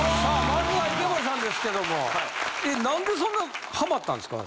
まずは池森さんですけども何でそんなハマったんですか？